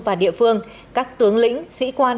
và địa phương các tướng lĩnh sĩ quan